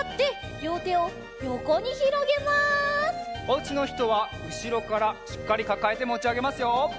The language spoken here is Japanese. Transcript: おうちのひとはうしろからしっかりかかえてもちあげますよ。